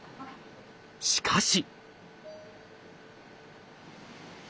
しかし。